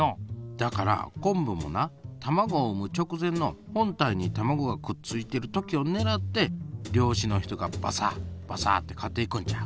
だから昆布もなたまごを産む直前の本体にたまごがくっついてる時を狙って漁師の人がバサッバサッて刈っていくんちゃう？